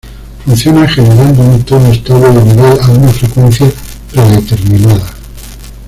Funciona generando un tono estable de nivel a una frecuencia predeterminada.